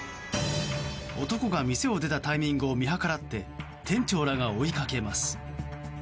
男が店を出たタイミングを見計らって店長らが追いかけます。